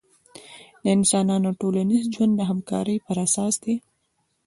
د انسانانو ټولنیز ژوند د همکارۍ پراساس دی.